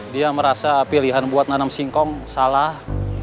dia merasa pilihan buat nanam singkong salah